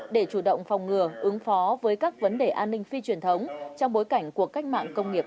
để chủ động phòng ngừa ứng phó với các vấn đề an ninh phi truyền thống trong bối cảnh cuộc cách mạng công nghiệp bốn